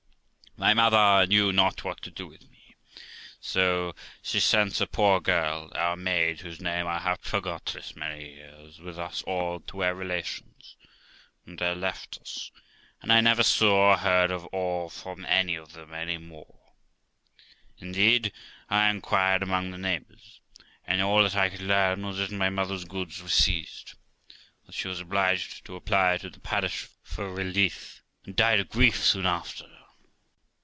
My mother knew not what to do with us, so she sent a poor girl, our maid, whose name I have forgot this many years, with us all to a relation's, and there left us, and 1 never saw or heard of or from them any more. Indeed, I inquired among the neighbours, and all that I could learn was that my mother's goods were seized, that she was obliged to apply to the parish for relief, and died of grief soon after.